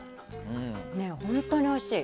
本当においしい。